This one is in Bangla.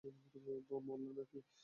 মরল না কি?